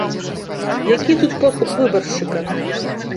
Які тут подкуп выбаршчыка?